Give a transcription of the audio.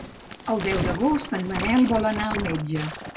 El deu d'agost en Manel vol anar al metge.